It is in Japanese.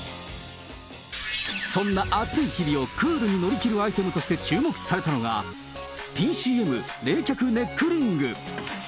そんな暑い日々をクールに乗り切るアイテムとして注目されたのが、ＰＣＭ冷却ネックリング。